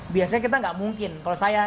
biasanya kita nggak mungkin kalau saya